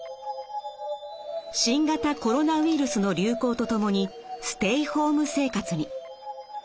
新型コロナウイルスの流行とともにステイホーム生活に。